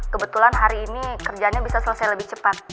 kebetulan hari ini kerjaannya bisa selesai lebih cepat